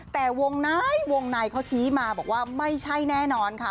แต่วงในวงในเขาชี้มาบอกว่าไม่ใช่แน่นอนค่ะ